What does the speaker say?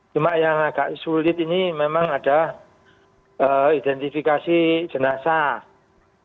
cuma yang agak sulit ini memang ada identifikasi jenazah